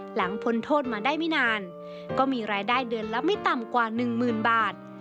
พ้นโทษมาได้ไม่นานก็มีรายได้เดือนละไม่ต่ำกว่าหนึ่งหมื่นบาท